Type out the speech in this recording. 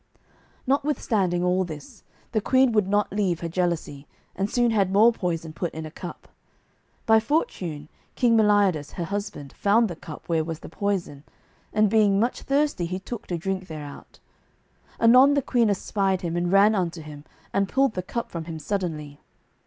Notwithstanding all this the queen would not leave her jealousy, and soon had more poison put in a cup. By fortune King Meliodas, her husband, found the cup where was the poison, and being much thirsty he took to drink thereout. Anon the queen espied him and ran unto him and pulled the cup from him suddenly.